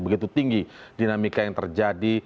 begitu tinggi dinamika yang terjadi